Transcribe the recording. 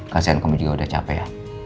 kasihan kamu juga udah capek ya